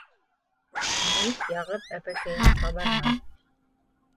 Мейес яғып әпәкәйең ҡабармаҫ.